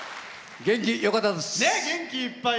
元気よかったです。